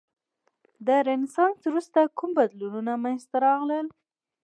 د رنسانس وروسته کوم بدلونونه منځته راغلل؟